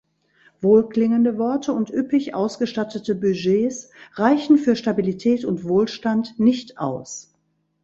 Wohlklingende Worte und üppig ausgestattete Budgets reichen für Stabilität und Wohlstand nicht aus.